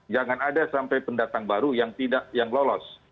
jangan ada sampai pendatang baru yang lolos